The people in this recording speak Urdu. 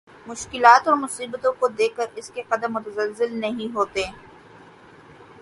مشکلات اور مصیبتوں کو دیکھ کر اس کے قدم متزلزل نہیں ہوتے